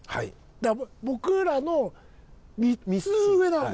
だから僕らの３つ上なんですよ。